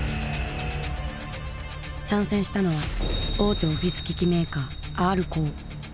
参戦したのは大手オフィス機器メーカーＲコー。